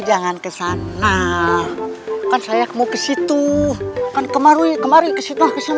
jangan kesana kan saya mau ke situ kan kemarin kemarin kesini kesana